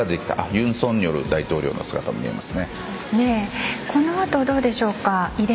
尹錫悦大統領の姿も見えます。